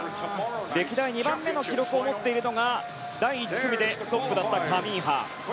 歴代２番目の記録を持っているのが第１組でトップだったカミンハ。